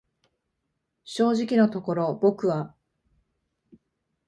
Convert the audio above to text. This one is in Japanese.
正直のところ僕は、